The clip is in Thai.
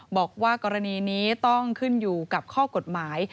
บอกว่ากรณีนี้ต้องขึ้นอยู่กับข้อกฎหมาย